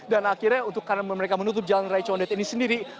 dan akhirnya karena mereka menutup jalan rai condet ini sendiri